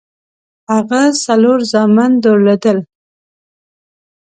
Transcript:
هغه څلور زامن درلودل.